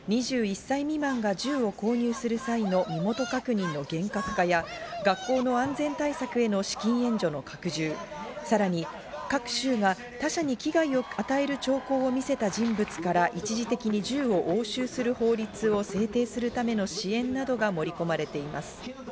２１歳未満が銃を購入する際の身元確認の厳格化や学校の安全対策への資金援助の拡充、さらに各州が他者に危害を与える兆候を見せた人物から一時的に銃を押収する法律を制定するための支援などが盛り込まれています。